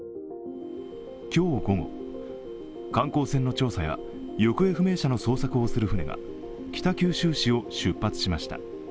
今日午後、観光船の調査や行方不明者の捜索をする船が北九州市を出発しました。